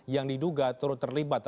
yang diduga turut terlibat